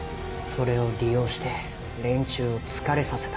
それを利用して連中を疲れさせた。